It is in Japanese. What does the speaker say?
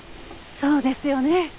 そうですよね。